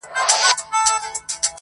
د کښتۍ له منځه پورته واویلا وه -